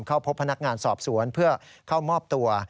เข้าพบพนักงานสอบสวนเพื่อเข้ามอบตัว